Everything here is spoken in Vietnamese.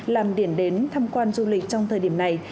làm điểm đến tham quan du lịch trong thời điểm này